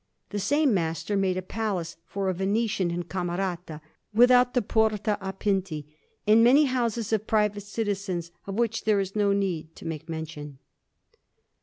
The same master made a palace for a Venetian in Camerata, without the Porta a Pinti, and many houses for private citizens, of which there is no need to make mention.